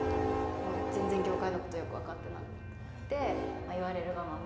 全然業界のことよく分かってなくて言われるがまま。